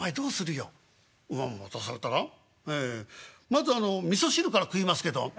まずあのみそ汁から食いますけど」。